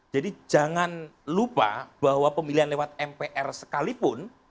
jadi jangan lupa bahwa pemilihan lewat mpr sekalipun